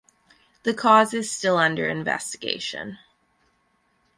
The cause is still under investigation.